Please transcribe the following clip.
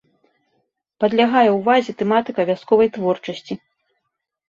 Падлягае ўвазе тэматыка вясковай творчасці.